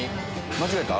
間違えた？